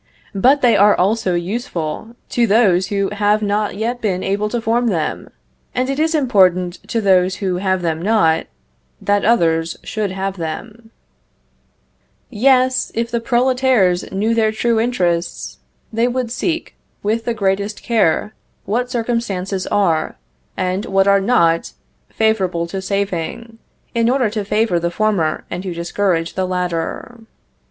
But they are also useful to those who have not yet been able to form them; and it is important to those who have them not, that others should have them. [Footnote 18: Common people.] Yes, if the "prolétaires" knew their true interests, they would seek, with the greatest care, what circumstances are, and what are not favorable to saving, in order to favor the former and to discourage the latter.